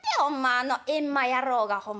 あの閻魔野郎がほんま。